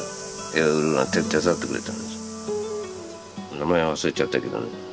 名前忘れちゃったけどね。